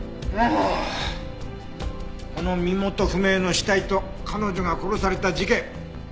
もうこの身元不明の死体と彼女が殺された事件